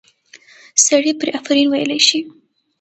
سړی پرې آفرین ویلی شي.